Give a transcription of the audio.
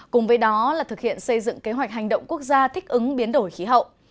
cùng với đó là thực hiện xây dựng kế hoạch hành động quốc gia thích ứng biến đổi khí hậu